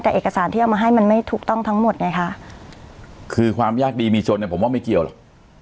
แต่เอกสารที่เอามาให้มันไม่ถูกต้องทั้งหมดไงคะคือความยากดีมีจนเนี่ยผมว่าไม่เกี่ยวหรอก